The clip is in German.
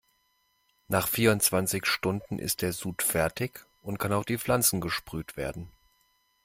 Nach vierundzwanzig Stunden ist der Sud fertig und kann auf die Pflanzen gesprüht werden.